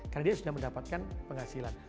karena dia sudah mendapatkan penghasilan